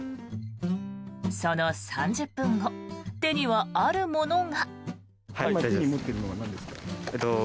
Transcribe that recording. その３０分後手にはあるものが。